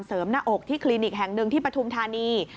เสริมหน้าอกที่คลินิกแห่งหนึ่งที่ประธุมธรรมดิ์